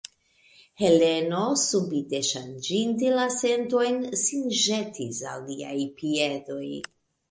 Heleno, subite ŝanĝinte la sentojn, sin ĵetis al liaj piedoj.